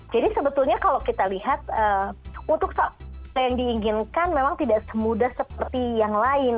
jadi sebetulnya kalau kita lihat untuk yang diinginkan memang tidak semudah seperti yang lain